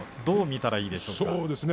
どう見たらいいでしょう。